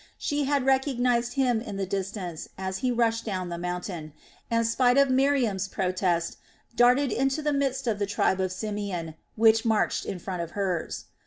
She had recognized him in the distance as he rushed down the mountain and, spite of Miriam's protest, darted into the midst of the tribe of Simeon which marched in front of hers.